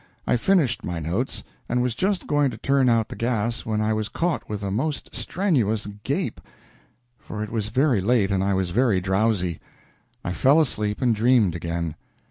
I finished my notes, and was just going to turn out the gas when I was caught with a most strenuous gape, for it was very late and I was very drowsy. I fell asleep and dreamed again.